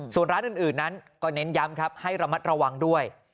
ส่วนร้านอื่นนั้นก็เน้นย้ำครับให้ระมัดระวังด้วย